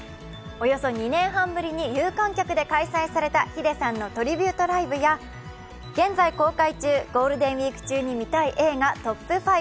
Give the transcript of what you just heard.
およそ２年半ぶりに有観客で開催されたｈｉｄｅさんのトリビュートライブや現在公開中、ゴールデンウイーク中に見たい映画トップ５。